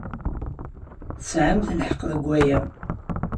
Tesɛamt lḥeqq deg waya.